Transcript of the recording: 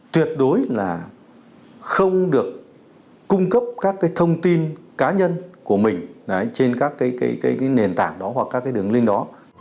tuyệt đối là không được cung cấp các thông tin cá nhân của mình trên các nền tảng đó hoặc các đường linh đó